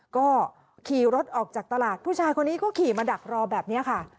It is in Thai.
ก็ขี่รถออกจากตลาดผู้ชายคนนี้ก็ขี่มาดักรอแบบนี้ค่ะ